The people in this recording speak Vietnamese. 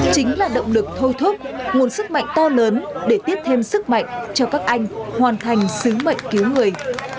chính là động lực thôi thúc nguồn sức mạnh to lớn để tiếp thêm sức mạnh cho các anh hoàn thành sứ mệnh cứu người